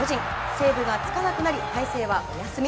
セーブがつかなくなり大勢はお休み。